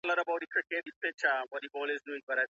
ولي مدام هڅاند د لوستي کس په پرتله ډېر مخکي ځي؟